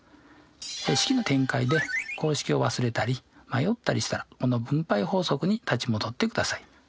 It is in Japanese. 式の展開で公式を忘れたり迷ったりしたらこの分配法則に立ち戻ってください。